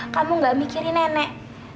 kamu gak mikirin nenek